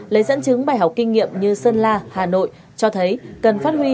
lấy dẫn chứng bài học kinh nghiệm như sơn la hà nội cho thấy cần phát huy